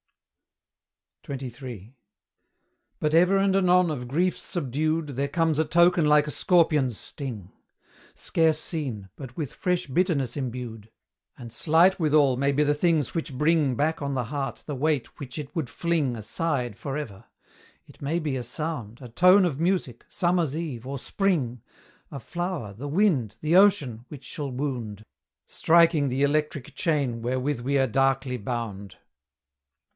XXIII. But ever and anon of griefs subdued There comes a token like a scorpion's sting, Scarce seen, but with fresh bitterness imbued; And slight withal may be the things which bring Back on the heart the weight which it would fling Aside for ever: it may be a sound A tone of music summer's eve or spring A flower the wind the ocean which shall wound, Striking the electric chain wherewith we are darkly bound.